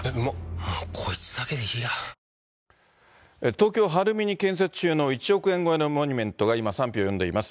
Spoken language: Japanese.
東京・晴海に建設中の１億円超えのモニュメントが、今、賛否を呼んでいます。